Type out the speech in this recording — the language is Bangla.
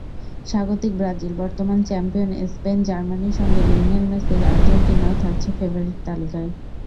স্বাগতিক ব্রাজিল, বর্তমান চ্যাম্পিয়ন স্পেন, জার্মানির সঙ্গে লিওনেল মেসির আর্জেন্টিনাও থাকছে ফেবারিট তালিকায়।